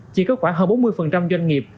chỉ có khoảng hơn bốn mươi doanh nghiệp